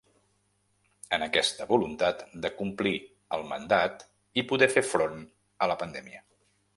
En aquesta voluntat de complir el mandat i poder fer front a la pandèmia.